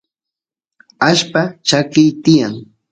allpa chakiy tiyan